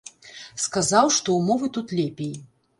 Сказаў, што ўмовы тут лепей.